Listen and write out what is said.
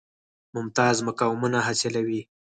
ممتاز مقامونه حاصلوي.